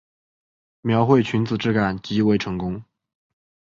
描绘裙子质感极为成功